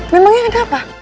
memangnya ada apa